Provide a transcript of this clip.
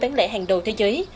bán lẻ hàng đầu thế giới